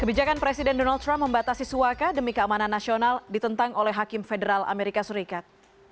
kebijakan presiden donald trump membatasi suaka demi keamanan nasional ditentang oleh hakim federal amerika serikat